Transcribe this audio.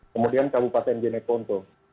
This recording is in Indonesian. kemudian kabupaten jeneponto